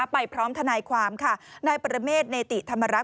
ไปพร้อมทนายความค่ะนายปรเมษเนติธรรมรัฐ